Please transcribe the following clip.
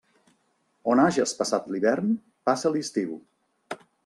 On hages passat l'hivern, passa l'estiu.